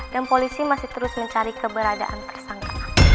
dan polisi masih terus mencari keberadaan tersangka